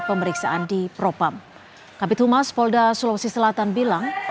pertama di kompas petang